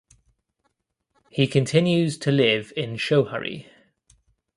He continues to live in Schoharie.